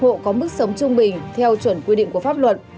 hộ có mức sống trung bình theo chuẩn quy định của pháp luật